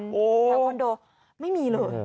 แถวคอนโดไม่มีเลย